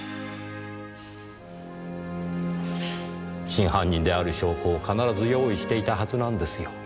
真犯人である証拠を必ず用意していたはずなんですよ。